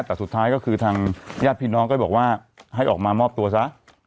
แต่สุดท้ายก็คือทางญาติพี่น้องก็บอกว่าให้ออกมามอบตัวซะ